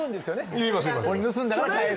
言います